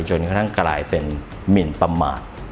จนกระทั่งกลายเป็นหมินประมาท